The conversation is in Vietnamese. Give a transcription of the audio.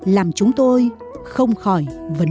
làm chúng tôi không khỏi vấn vương